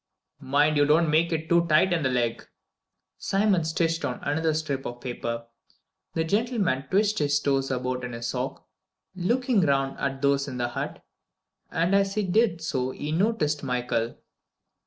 "Mind you don't make it too tight in the leg." Simon stitched on another strip of paper. The gentleman twitched his toes about in his sock, looking round at those in the hut, and as he did so he noticed Michael.